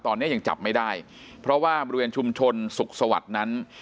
ตอนนี้ยังจับไม่ได้เพราะว่าบริเวณชุมชนสุขสวัสดิ์นั้น